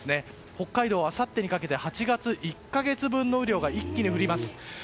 北海道はあさってにかけて８月１か月分の雨量が一気に降ります。